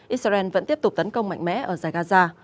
israel vẫn tiếp tục tấn công mạnh mẽ ở giải gaza